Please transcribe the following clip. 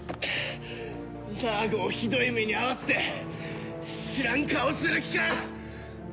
ナーゴをひどい目に遭わせて知らん顔する気か！？